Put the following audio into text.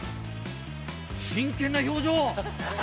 真剣な表情！